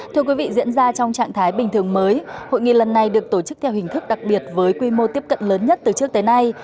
thưa quý vị diễn ra trong trạng thái bình thường mới hội nghị lần này được tổ chức theo hình thức đặc biệt với quy mô tiếp cận lớn nhất từ trước tới nay